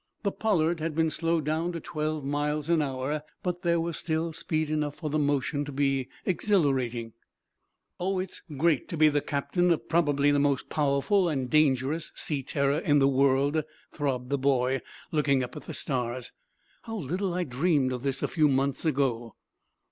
The "Pollard" had been slowed down to twelve miles an hour, but there was still speed enough for the motion to be exhilarating. "Oh, it's great to be captain of probably the most powerful and dangerous sea terror in the world!" throbbed the boy, looking up at the stars. "How little I dreamed of this, a few months ago!"